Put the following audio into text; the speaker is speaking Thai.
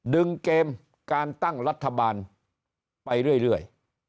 เกมการตั้งรัฐบาลไปเรื่อย